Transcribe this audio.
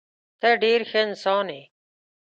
ته ډېر ښه انسان یې.